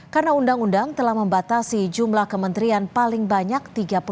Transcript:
karena undang undang telah membatasi jumlah kementerian paling banyak